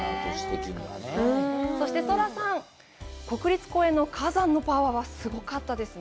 そしてソラさん、国立公園の火山のパワーはすごかったですね。